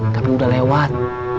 tapi udah lewat